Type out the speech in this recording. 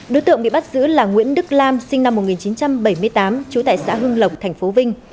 đối tượng bị bắt giữ là nguyễn đức lam sinh năm một nghìn chín trăm bảy mươi tám trú tại xã hưng lộc tp vinh